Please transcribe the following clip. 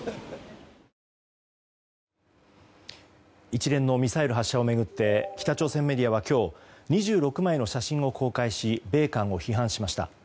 一連のミサイル発射を巡って北朝鮮メディアは今日２６枚の写真を公開し米韓を批判しました。